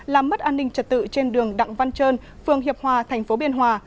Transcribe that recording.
làm mất an ninh trật tự trên đường đặng văn trơn phường hiệp hòa tp biên hòa